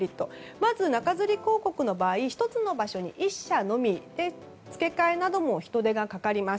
まず、中づり広告の場合１つの場所に１社のみで付け替えなども人手がかかります。